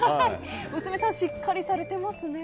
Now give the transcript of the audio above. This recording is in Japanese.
娘さん、しっかりされてますね。